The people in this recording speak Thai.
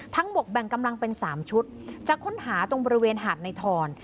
บกแบ่งกำลังเป็น๓ชุดจะค้นหาตรงบริเวณหาดในทร